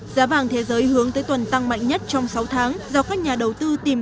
giá vàng thế giới hướng tới tuần tăng mạnh nhất trong sáu tháng do các nhà đầu tư tìm